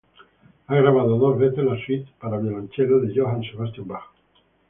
Ha grabado dos veces las suites para violonchelo de Johann Sebastian Bach.